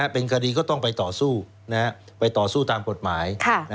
เป็นคดีก็ต้องไปต่อสู้ไปต่อสู้ตามกฎหมาย